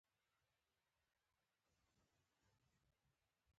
ما وویل: تاسي پلان لرئ چې تر هغو منتظر شئ.